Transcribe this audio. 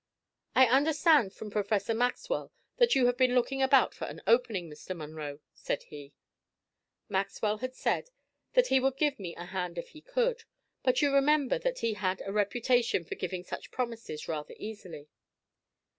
"I understand from Professor Maxwell that you have been looking about for an opening, Mr. Munro," said he. Maxwell had said that he would give me a hand if he could; but you remember that he had a reputation for giving such promises rather easily.